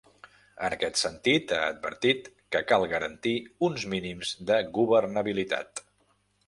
En aquest sentit, ha advertit que cal garantir uns mínims de governabilitat.